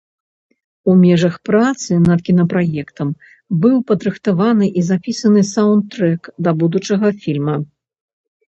У межах працы над кінапраектам быў падрыхтаваны і запісаны саўндтрэк да будучага фільма.